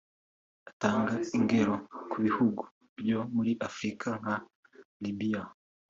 Atanga ingero ku bihugu byo muri Afurika nka Libya